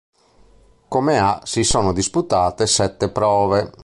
Come a si sono disputate sette prove.